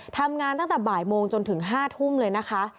ทำงานตั้งแต่บ่ายโมงจนถึง๕ทุ่มเลยนะคะ